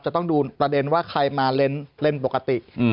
จะต้องดูประเด็นว่าใครมาเล่นปกติ